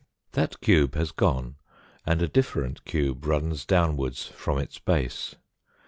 That cube has gone and a different cube runs downwards from its base.